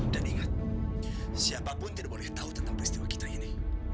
dan ingat siapapun tidak boleh tahu tentang peristiwa kita ini